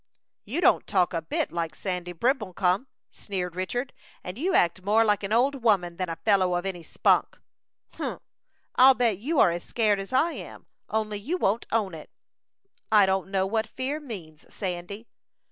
"You don't talk a bit like Sandy Brimblecom," sneered Richard; "and you act more like an old woman than a fellow of any spunk." "Humph! I'll bet you are as scared as I am, only you won't own it." "I don't know what fear means, Sandy."